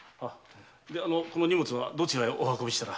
であのこの荷物はどちらへお運びしたら？